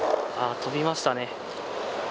飛びましたね。